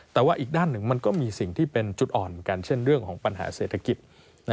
แต่ว่าอีกด้านหนึ่งมันก็มีสิ่งที่เป็นจุดอ่อนเหมือนกันเช่นเรื่องของปัญหาเศรษฐกิจ